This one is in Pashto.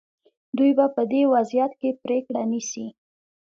دوی به په دې وضعیت کې پرېکړه نیسي.